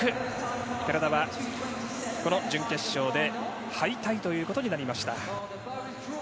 寺田はこの準決勝で敗退ということになりました。